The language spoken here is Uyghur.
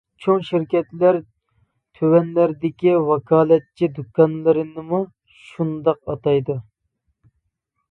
چوڭ شىركەتلەر تۆۋەنلەردىكى ۋاكالەتچى دۇكانلىرىنىمۇ شۇنداق ئاتايدۇ.